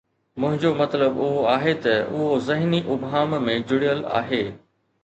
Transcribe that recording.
منهنجو مطلب اهو آهي ته اهو ذهني ابهام ۾ جڙيل آهي.